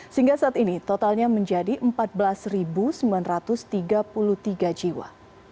sehingga saat ini totalnya menjadi empat belas sembilan ratus tiga puluh tiga jiwa